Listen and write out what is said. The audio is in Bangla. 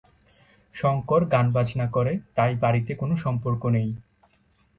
শঙ্কর গান বাজনা করে তাই বাড়িতে কোন সম্পর্ক নেই।